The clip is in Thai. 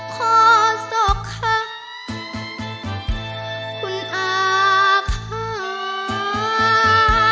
ขอศพค่ะคุณอาค่า